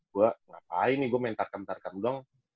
gue ngapain nih gue main tarkam tarkam dong